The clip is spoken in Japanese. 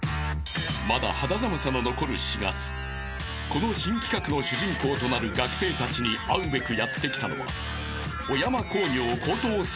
［まだ肌寒さの残る４月この新企画の主人公となる学生たちに会うべくやって来たのは］